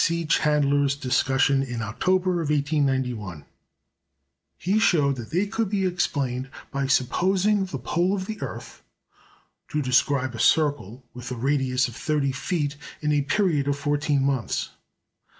C. Chandler's discussion in October, 1891. He showed that they could be explained by supposing the pole of the earth to describe a circle with a radius of thirty feet in a period of fourteen months.